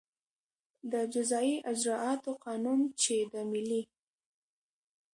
د جزایي اجراآتو قانون چې د ملي